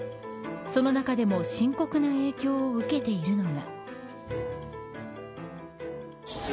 その中でも深刻な影響を受けているのが。